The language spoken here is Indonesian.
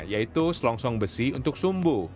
yaitu selongsong besi untuk sumbu